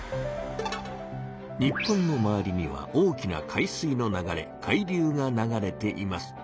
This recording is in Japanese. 日本の周りには大きな海水の流れ「海流」が流れています。